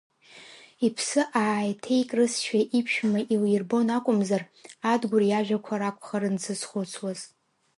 Иԥсы ааиҭеикрызшәа иԥшәма илирбон акәымзар, Адгәыр иажәақәа ракәхарын дзызхәыцуаз.